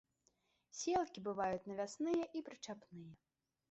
Сеялкі бываюць навясныя і прычапныя.